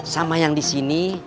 sama yang disini